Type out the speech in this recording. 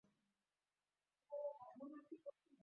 Kuzda Toshkentni qoplayotgan birinchi qor — suratlarda